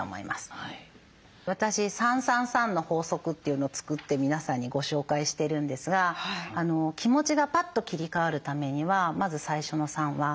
私「３３３の法則」というのを作って皆さんにご紹介してるんですが気持ちがパッと切り替わるためにはまず最初の３は「香り」です。